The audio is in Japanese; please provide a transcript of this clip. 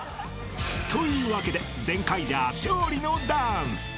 ［というわけでゼンカイジャー勝利のダンス］